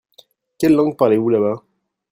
Quelle langue parlez-vous là-bas ?